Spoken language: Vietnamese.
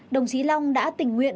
đồng chí long đã tỉnh nguyễn